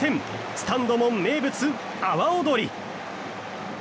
スタンドも名物、阿波踊り。